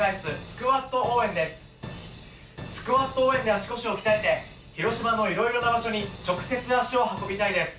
スクワット応援で足腰を鍛えて広島のいろいろな場所に直接、足を運びたいです。